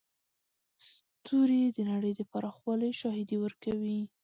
ستوري د نړۍ د پراخوالي شاهدي ورکوي.